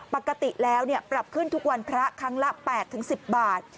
ปกติแล้วปรับขึ้นทุกวันพระครั้งละ๘๑๐บาท